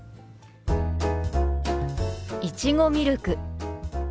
「いちごミルク」。